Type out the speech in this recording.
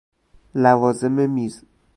لوازم میز